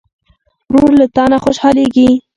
ورور له تا نه خوشحالېږي.